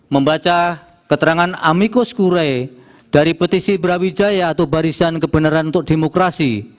membaca keterangan amikos kure dari petisi brawijaya atau barisan kebenaran untuk demokrasi